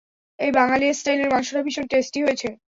এই বাঙালি স্টাইলের মাংসটা ভীষণ টেস্টি হয়েছে!